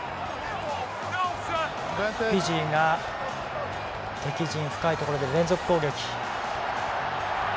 フィジーが敵陣、深いところで連続攻撃。